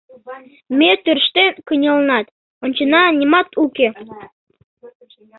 Ме тӧрштен кынелнат, ончена — нимат уке...